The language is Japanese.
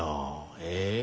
え？